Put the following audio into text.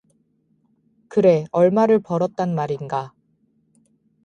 그래 얼마를 벌었단 말인가.